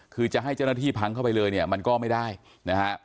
คือจะให้เจ้าหน้าที่พังเข้าไปเลยเนี่ยมันก็ไม่ได้นะฮะ